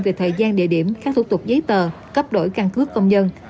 về thời gian địa điểm các thủ tục giấy tờ cấp đổi căn cước công dân